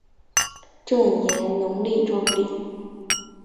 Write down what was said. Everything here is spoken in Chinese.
郑俨容貌壮丽。